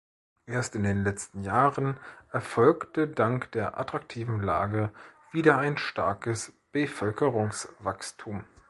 Erst in den letzten Jahren erfolgte dank der attraktiven Lage wieder ein starkes Bevölkerungswachstum.